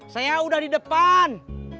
saya udah di depan